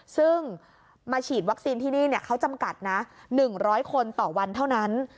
ซึ่งมาฉีดวัคซีนที่นี่เขาจำกัดนะ๑๐๐คนต่อวันเท่านั้น